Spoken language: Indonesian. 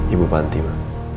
ibu panti ma